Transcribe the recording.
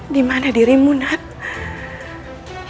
dimana dirimu nenek